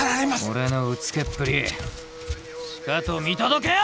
俺のうつけっぷりしかと見届けよ！